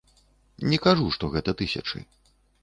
Не кажу, што гэта тысячы.